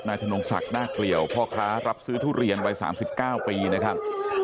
ถนนศักดิ์หน้าเกลี่ยวพ่อค้ารับซื้อทุเรียนวัย๓๙ปีนะครับ